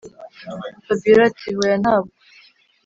fabiora ati”hoya ntabwo